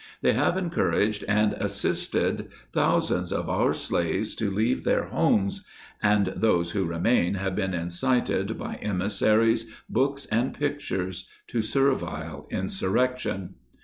They have encouraged and assisted thousands of our slaves to leave their homes ; t and those who remain, have been incited by emissaries, books and pictures to servile insurrection.